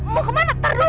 mau ke mana teruk